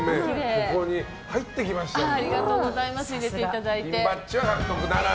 ここに入ってきましたので。